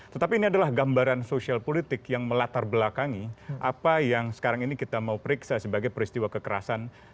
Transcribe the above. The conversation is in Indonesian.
tetapi ini adalah gambaran sosial politik yang melatar belakangi apa yang sekarang ini kita mau periksa sebagai peristiwa kekerasan